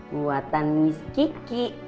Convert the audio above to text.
buatan miss gigi